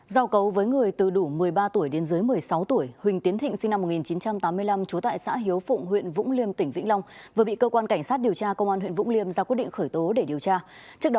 giao cấu với người từ đủ một mươi ba tuổi đến dưới một mươi sáu tuổi huỳnh tiến thịnh sinh năm một nghìn chín trăm tám mươi năm trú tại xã hiếu phụng huyện vũng liêm tỉnh vĩnh long vừa bị cơ quan cảnh sát điều tra công an huyện vũng liêm ra quyết định khởi tố để điều tra